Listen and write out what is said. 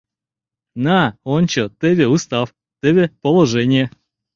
На, ончо: теве — устав, теве — положение.